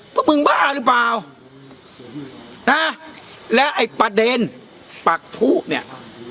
พวกมึงบ้าหรือเปล่านะแล้วไอ้ประเด็นปักทุเนี่ย